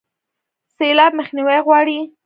سیلاب مخنیوی غواړي